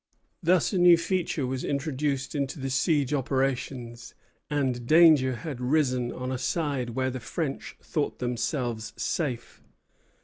Thus a new feature was introduced into the siege operations, and danger had risen on a side where the French thought themselves safe.